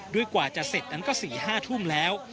กว่าจะเสร็จนั้นก็๔๕ทุ่มแล้ว